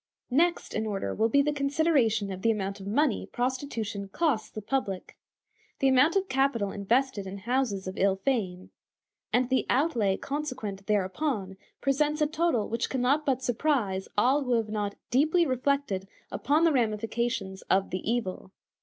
Next in order will be the consideration of the amount of money prostitution costs the public. The amount of capital invested in houses of ill fame, and the outlay consequent thereupon presents a total which can not but surprise all who have not deeply reflected upon the ramifications of the evil.